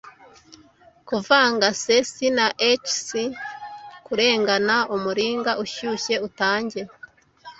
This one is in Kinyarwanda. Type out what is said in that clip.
Kuvanga CS na HS kurengana umuringa ushyushye utange